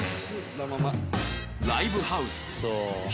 ライブハウス